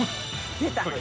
出た。